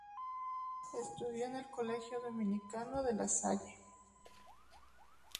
Estudió en el "Colegio Dominicano De La Salle".